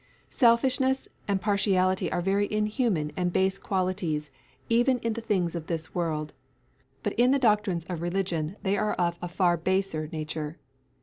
. Selfishness and partiality are very inhuman and base qualities even in the things of this world, but in the doctrines of religion they are of a far baser nature.